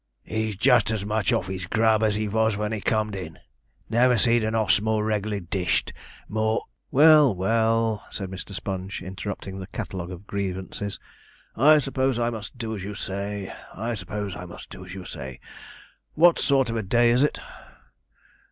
'He's just as much off his grub as he vos when he com'd in; never see'd an 'oss more reg'larly dished more ' 'Well, well,' said Mr. Sponge, interrupting the catalogue of grievances; 'I s'pose I must do as you say I s'pose I must do as you say: what sort of a day is it?'